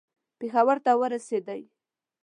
پېښور ته ورسېدی.